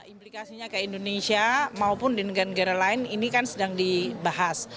implikasinya ke indonesia maupun di negara negara lain ini kan sedang dibahas